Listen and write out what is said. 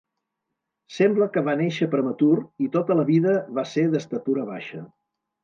Sembla que va néixer prematur i tota la vida va ser d'estatura baixa.